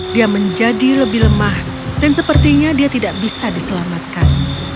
dia menjadi lebih lemah dan sepertinya dia tidak bisa diselamatkan